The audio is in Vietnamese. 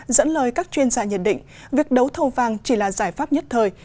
dẫn lời các chuyên gia nhận định việc đấu thầu vàng chỉ là giải pháp nhất thời